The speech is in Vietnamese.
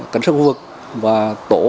cảnh sát khu vực và tổ chức